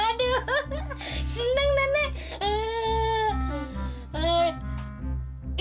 aduh senang dah nek